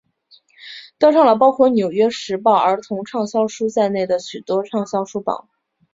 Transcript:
登上了包括纽约时报儿童畅销书在内的许多畅销书榜。